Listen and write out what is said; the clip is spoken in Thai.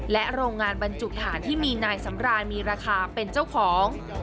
และโรงงานบรรจุฐานที่มีนายสำราญมีราคาเป็นเจ้าของ